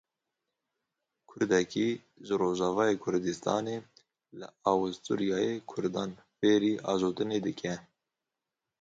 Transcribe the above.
Kurdekî ji Rojavayê Kurdistanê li Awisturyayê Kurdan fêrî ajotinê dike.